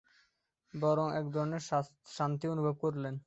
বরং একধরনের শান্তি অনুভব করলেন।